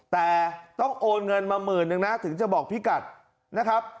แต่ต้องโอนเงินมาหมื่นนึงนะถึงจะบอกพี่กัดนะครับ